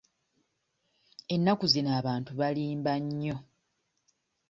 Ennaku zino abantu balimba nnyo.